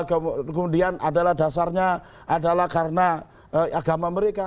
kemudian adalah dasarnya adalah karena agama mereka